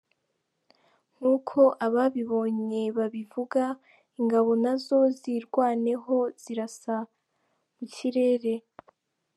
Nk’uko ababibonye babivuga, ingabo na zo zirwanyeho, zirasa mu kirere.